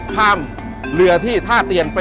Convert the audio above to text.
ฝามาที่ท่าเตียงไป